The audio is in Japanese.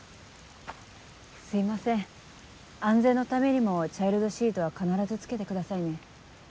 すいません安全のためにもチャイルドシートは必ず付けてくださいね。